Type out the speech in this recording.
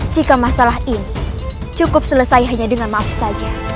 jika masalah ini cukup selesai hanya dengan maaf saja